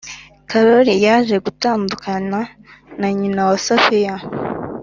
karori yaje gutandukana na nyina wa sofiya